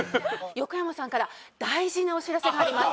横山さんから大事なお知らせがあります。